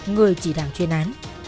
người chỉ đảng chuyên án